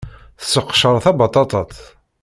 Tesseqcer tabaṭaṭat.